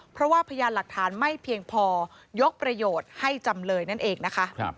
เพราะว่าพยานหลักฐานไม่เพียงพอยกประโยชน์ให้จำเลยนั่นเองนะคะ